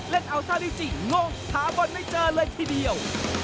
เล่นอาวุธาริวจิงงถามบอลไม่เจอเลยทีเดียว